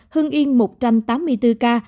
hưng yên một trăm tám mươi bốn ca